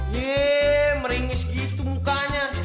yee meringis gitu mukanya